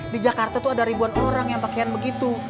di jakarta tuh ada ribuan orang yang pakaian begitu